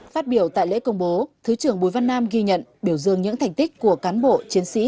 phát biểu tại lễ công bố thứ trưởng bùi văn nam ghi nhận biểu dương những thành tích của cán bộ chiến sĩ